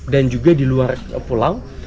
dan juga di luar pulau